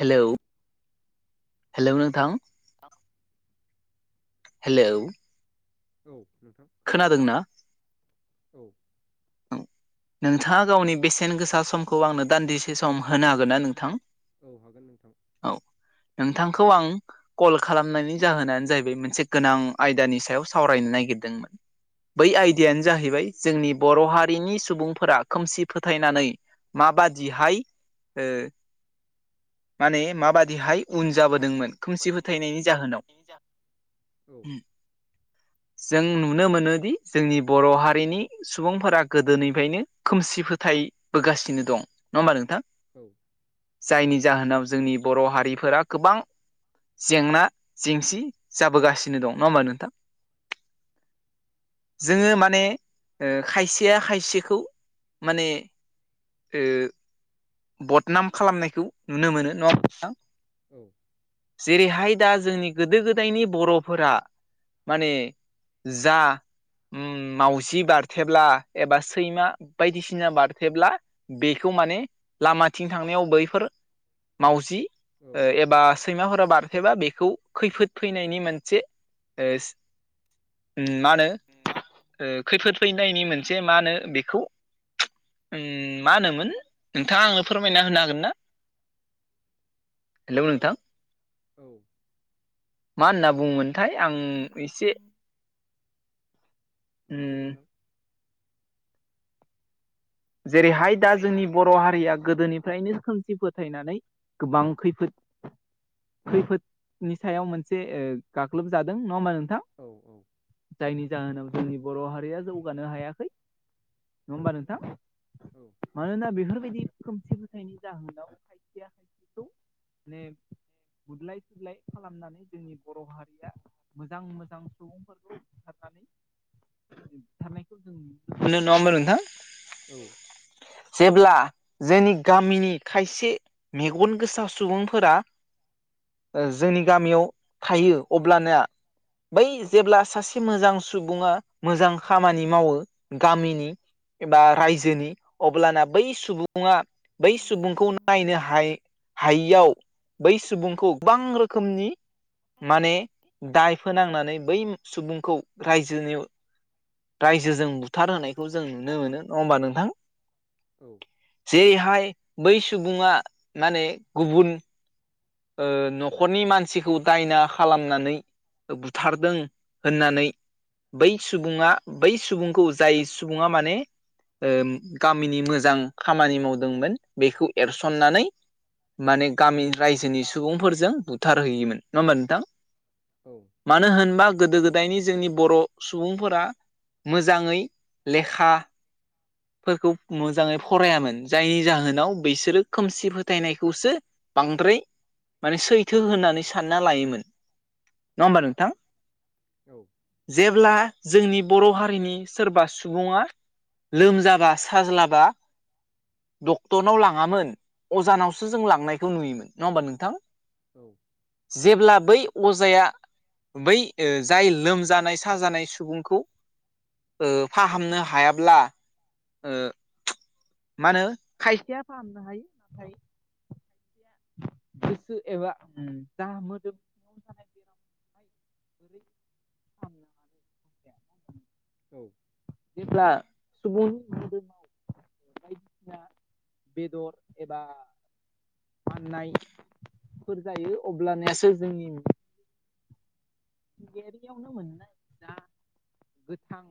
Hello hello नोंथां hello औ नोंथां खोनादों खोनादोंना औ औ नोंथाङा गावनि बेसेन गोसा समखौ आंनो दान्दिसे सम होनो हागोन ना नोंथां औ हागोन नोंथां औ नोंथांखौ आं कल खालामनायनि जाहोनानो जाहैबाय मोनसे गोनां आयदानि सायाव सावरायनो नायगिरदोंमोन बै औ आयदायानो जाहैबाय जोंनि बर' हारिनि सुबुंफोरा खोमसि फोथायनानै माबादिहाय माने माबादिहाय उन बेहाय जाबोदोंमोन खोमसि उदबोदोंमोन फोथायनायनि खोमसि जाहोनाव फोथायनायनि जाहोन उ जों नुनो मोनोदि जोंनि बर' हारिनि सुबुंफोरा गोदोनि फ्रायनो खोमसि फोथायबोगासिनो दं नङा होमबा नोंथां औ जायनि जाहोनाव जोंनि बर' हारिफोरा गोबां जेंना जेंसि जाबोगासिनो दं नङा होमबा नोंथां औ जोङो माने खायसेया खायसे खौ माने ओ बदनाम खालामनायखौ नुनो मोनो नङा होमबा नोंथां औ जेरैहाय दा जोंनि गोदो गोदायनि बर'फोरा माने जा उम मावजि बारथेब्ला एबा सैमा बायदिसिना बारथेब्ला बेखौ माने लामाथिं थांनायाव बैफोर मावजि औ ओ एबा सैमाफोरा बारथेबा बेखौ खैफोद फैनायनि मोनसे ओ उम मा होनो खैफोद फैनायनि मोनसे मा होनो बेखौ मा होनोमोन नोंथाङा आंनो फोरमायना होनो हागोन ना हेल' नोंथां औ मा होना बुङोमोनथाय आं एसे माखौ उम नोंथां जेरैहाय दा जोंनि बर' हारिया गोदोनिफ्रायनो खोमसि फोथायनानै गोबां खैफोद खैफोदनि सायाव मोनसे गाग्लोबजादों नङा होमबा नोंथां औ औ जायनि जाहोनाव जोंनि बर' हारिया जौगानो हायाखै नङा होमबा नोंथां औ मानोना बेफोरबायदि खोमसि फोथायनि जाहोनाव खायसेया खायसेखौ माने बुदलाय सुदलाय खालामनानै जोंनि बर' हारिया मोजां मोजां सुबुंफोरखौ बुथारनानै बुथारनायखौ जों नुनो मोनो नङा होनबा नोंथां औ जेब्ला जोंनि गामिनि खायसे मेगन गोसा सुबुंफोरा जोंनि गामियाव थायो अब्लाना बै जेब्ला सासे मोजां सुबुङा मोजां खामानि मावो गामिनि बा रायजोनि अब्लाना बै सुबुङा बै सुबुंखौनो नायनो हाय हायियाव बै सुबुंखौ गोबां रोखोमनि माने रोखोम दाय फोनांनानै बै सुबुंखौ रायजोनि रायजोजों बुथार होनायखौ रायजोजों जों नुनो मोनो बुथारहोनाय नङा होमबा नोंथां औ जेरैहाय बै सुबुङा माने गुबुन ओ न'खरनि मानसिखौ दायना खालामनानै बुथारदों होननानै बै सुबुङा बै सुबुंखौ जाय सुबुङा माने ओम गामिनि मोजां खामानि मावदोंमोन बेखौ एरसननानै माने गामि माने रायजोनि गामिनि रायजो सुबुंफोरजों बुथारहैयोमोन नङा होमबा नोंथां औ मानो होनबा गोदो गोदायनि जोंनि बर' सुबुंफोरा मोजाङै लेखा फोरखौ मोजाङै फरायामोन जायनि जाहोनाव बिसोरो खोमसि फोथायनायखौसो बांद्राय माने सैथो होननानै सानना लायोमोन नङा होमबा नोंथां औ जेब्ला जोंनि बर' हारिनि सोरबा सुबुङा लोमजाबा साज्लाबा डक्टरनाव लाङामोन अजानावसो जों लांनायखौ नुयोमोन नङा होनबा नोंथां औ जेब्ला बै अजाया बै जाय लोमजानाय साजानाय सुबुंखौ फाहामनो हायाब्ला ओ मा होनो खायसेया फाहामनो हायो नाथाय गोसो एबा जा मोदोम सिङाव जानाय बेरामखौहाय बोरै फाहामनो हानो [unintelligible] नङा होनबा नोंथां औ जेब्ला सुबुंनि मोदोमाव बायदिसिना बेदर एबा माननायफोर जायो अब्लनियासो जोंनि मिथिंगायारियावनो मोननाय जा गोथां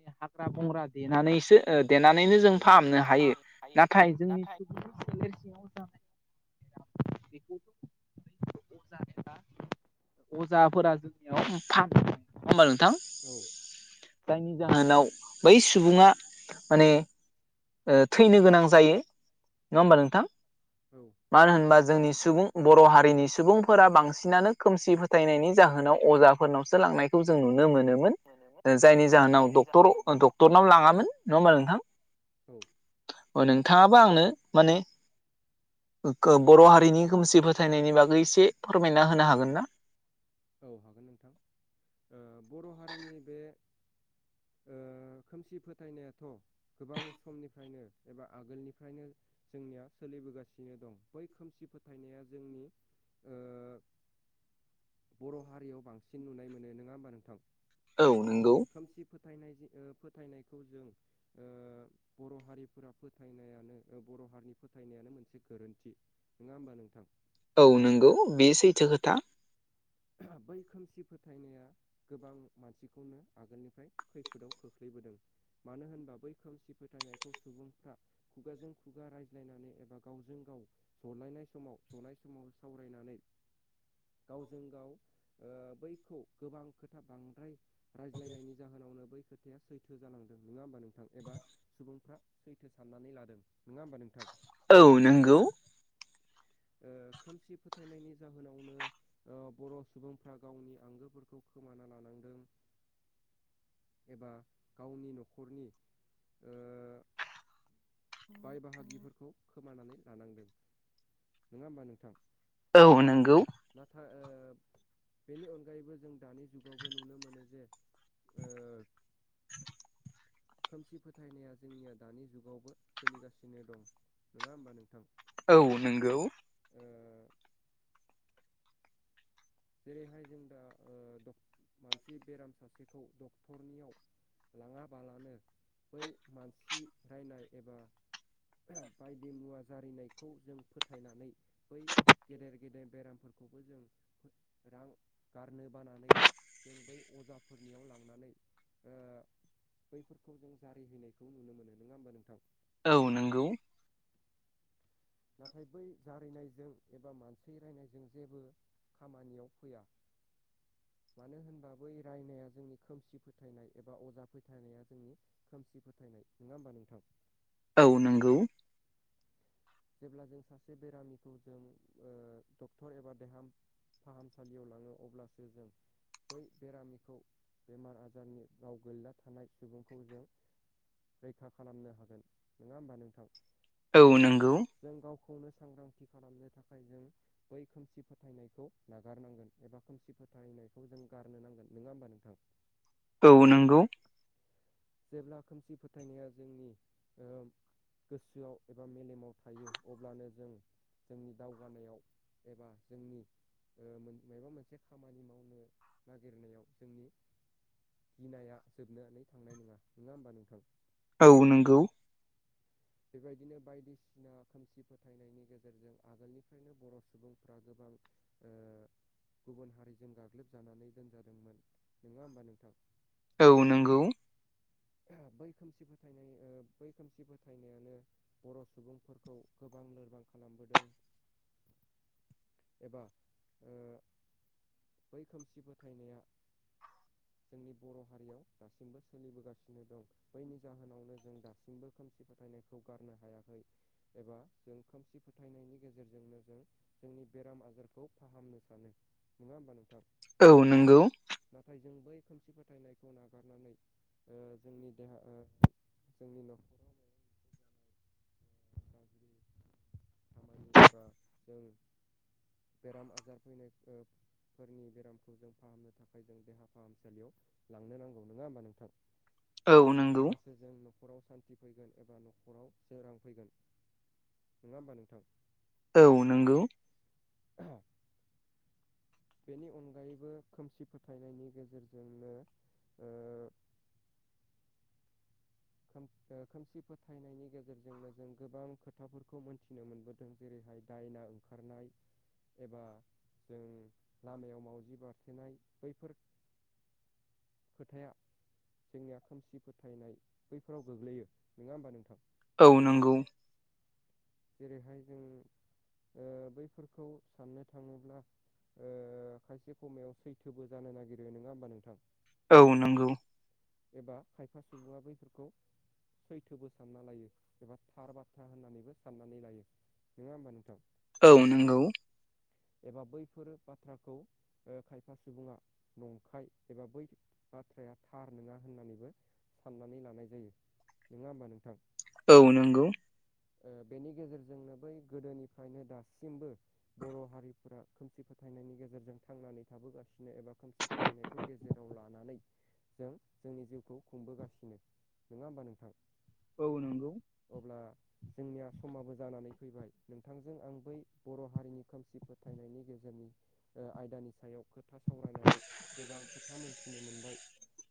बे हाग्रा बंग्रा देनानैसो देनानैनो जों औ फाहामनो हायो हायो नाथाय जोंनि नाथाय सुबुं [unintelligible] बेखौ थ' अजा बेजा अजा फोरा जोंनियाव फाहामो नंङा होनबा नोंथां औ औ जायनि जाहोनाव बै सुबुंङा माने थैनो गोनां जायो नंङा होमबा नोंथां औ मानो होनबा जोंनि सुबुं बर' हारिनि सुबुंफोरा बांसिनानो खोमसि फोथायनायनि जाहोनाव अजा फोरनावसो लांनायखौ जों नुनो मोनोमोन मोनोमोन जायनि जाहोनाव डक्टर डक्टर नाव लाङामोन नङा होनबा नोंथां औ अ नोंथाङाबा आंनो माने बर' हारिनि खोमसि फोथायनायनि बागै एसे फोरमायना होनो हागोन ना औ हागोन नोंथां बर' हारिनि बे खोमसि फोथायनायाथ' गोबां समनिफ्रायनो एबा आगोलनिफ्रायनो जोंनिया सोलिबोगासिनो दं बै खोमसि फोथायनाया जोंनि बर' हारियाव बांसिन नुनाय मोनो नङा होमबा नोंथां औ नंगौ खोमसि फोथायनाय जों फोथायनायखौ जों बर' हारिफोरा फोथायनायानो बर' हारिनि फोथायनायानो मोनसे गोरोन्थि नङा होमबा नोंथां औ नंगौ बियो सैथो खोथा बै खोमसि फोथायनाया गोबां मानसिखौनो आगोलनिफ्राय खैफोदाव खोख्लैबोदों मानो होनबा बै खोमसि फोथायनायखौ सुबुंफ्रा खुगाजों खुगा रायज्लायनानै एबा गावजों गाव जलायनाय समाव जनाय समाव सावरायनानै जों गाव बैखौ गोबां खोथा बांद्राय रायज्लायनायनि जाहोनावनो बै खोथाया सैथो जानांदों नङा होमबा नोंथां एबा सुबुंफ्रा सैथो साननानै लादों नङा होमबा नोंथां औ नंगौ खोमसि फोथायनायनि जाहोनावनो बर' सुबुंफ्रा गावनि आंगोफोरखौ खोमाना लानांदों एबा गावनि न'खरनि बाय बाहागिफोरखौ खोमानानै लानांदों नङा होमबा नोंथां औ नोंगौ नाथाय बेनि अनगायैबो जों दानि जुगावबो नुनो मोनो जे खोमसि फोथायनाया जोंनिया दानि जुगावबो सोलिगासिनो दं नङा होमबा नोंथां औ नोंगौ ओ जेरैहाय जों दा ओ मानसि बेराम सासेखौ डक्टरनियाव लाङाबालानो बै मानसि नायनाय एबा बायदि मुवा जारिनायखौ जों फोथायनानै बै गेदेर गेदेर बेरामफोरखौबो जों रां गारनो बानानै जों बै अजाफोरनियाव लांनानै ओ बैफोरखौ जों जारिहैनायखौ नुनो मोनो नङा ओमबा नोंथां औ नंगौ नाथाय बै जारिनायजों एबा मानसि रायनायजों जेबो खामानियाव फैया मानो होनबा बै रायनाया जोंनि खोमसि फोथायनाय एबा अजा फोथायनाया जोंनि खोमसि फोथायनाय नङा ओमबा नोंथां औ नंगौ जेब्ला जों सासे बेरामिखौ जों डक्टर एबा देहाम फाहामसालियाव लाङो अब्लासो जों बै बेरामिखौ बेमार आजारनि गाव गोलैना थानाय सुबुंखौ जों रैखा खालामनो हागोन नङा ओमबा नोंथां? औ नंगौ। जों गावखौनो सांग्रांथि खालामनो थाखाय जों। बै खोमसि फोथायनायखौ नागारनांगोन एबा खोमसि फोथायनायखौ जों गारनो नांगोन नङा ओमबा नोंथां? औ नंगौ जेब्ला खोमसि फोथायनाया जोंनि ओ गोसोआव एबा मेलेमाव थायो अब्लानो जों जोंनि दावगानायाव एबा जोंनि ओ माबा मोनसे खामानि मावनो नागिरनायाव जोंनि गिनाया जोबनानै थांनाय नङा नङा ओमबा नोंथां औ नंगौ बेबायदिनो बायदिसि ना खोमसि फोथायनायनि गेजेरजों आगोलनिफ्रायनो बर' सुबुंफ्रा गोबां‌। ओ गुबुन हारिजों गाग्लोबजानानै दोनजादोंमोन नङा ओमबा नोंथां? औ नंगौ बै खोमसि फोथायनाय बै खोमसि फोथायनायानो बर' सुबुंफोरखौ गोबां लोरबां खालामबोदों एबा ओ बै खोमसि फोथायनाया जोंनि बर' हारियाव दासिमबो सोलिबोगासिनो दं। बजायनि जाहोनावनो जों दासिमबो खोमसि फोथायनायखौ गारनो हायाखै। एबा जों खोमसि फोथायनायनि गेजेरजोंनो जों जोंनि बेराम आजारखौ फाहामनो सानो नङा ओमबा नोंथां? औ नंगौ। नाथाय जों बै खोमसि फोथायनायखौ नागारनानै ओ जोंनि देहा जोंनि ओ न' गाज्रि खामानि एबा जोङो [inaudible] बेराम आजार फैनायफोरखो फोरनि बेरामखौ जों फाहामनो थाखाय जों देहा फाहामसालियाव लांनो नांगौ नङा ओमबा नोंथां? औ नंगौ। अब्लासो जों नखराव सान्ति फैगोन एबा नखराव सोरां फैगोन नङा ओमबा नोंथां? औ नंगौ। बेनि अनगायैबो खोमसि फोथायनायनि गेजेरजोंनो ओम खोमसि फोथायनायनि गेजेरजोंनो जों गोबां खोथाफोरखौ मोनथिनो मोनबोदों हादों जेरैहाय दायना ओंखारनाय एबा जों लामायाव मावजि बारथेनाय बैफोर खोथाया जोंनिया खोमसि फोथायनाय बैफोराव गोग्लैयो नङा होमबा नोंथां। औ नंगौ। जेरैहाय जों बैफोरखौ साननो थाङोब्ला। खायसे समायाव सैथोबो जानो नागिरो नङा होमबा नोंथां। औ नंगौ। एबा खायफा सुबुङा बैफोरखौ सैथोबो सानना लायो एबा थार बाथ्रा होननानैबो। साननानै लायो नङा होमबा नोंथां। औ नंगौ। एबा बैफोरो बाथ्राखौ खायफा सुबुङा नंखाय एबा बै बाथ्राया थार नङा होननानैबो। साननानै लानाय जायो नङा होमबा नोंथां औ नंगौ ओ बेनि गेजेरजोंनो बै गोदोनिफ्रायनो दासिमबो बर' हारिफोरा खोमसि फोथायनायनि गेजेरजों थांनानै थाबोगासिनो एबा खोमसि फोथायनायखौ गेजेराव लानानै जों जोंनि जिउखौ खुंबोगासिनो नङा होमबा नोंथां औ नोंथां अब्ला जोंनिया समाबो जानानै फैबाय नोंथांजों आं बै बर' हारिनि खोमसि फोथायनायनि गेजेरनि। आयदानि सायाव खोथा सावरायनानै गोबां खोथा मोनथिनो मोनबाय।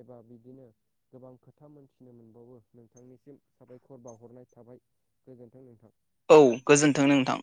एबा बिदिनो गोबां खोथा मोनथिनो मोनबावो नोंथांनिसिम साबायखर बावहरनाय थाबाय। गोजोन्थों नोंथां। औ गोजोन्थों नोंथां।